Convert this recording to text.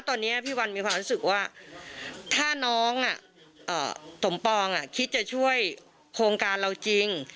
ตอนนี้พี่วันมีความรู้สึกว่าถ้าน้องสมปองคิดจะช่วยโครงการเราจริง